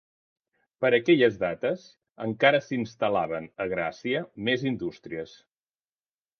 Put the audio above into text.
Per aquelles dates, encara s'instal·laven a Gràcia més indústries.